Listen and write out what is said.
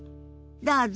どうぞ。